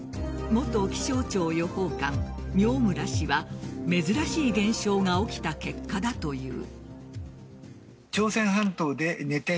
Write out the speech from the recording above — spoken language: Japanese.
元気象庁予報官饒村氏は珍しい現象が起きた結果だという。